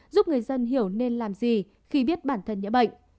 giúp người dân hiểu nên làm gì khi biết bản thân nhiễm bệnh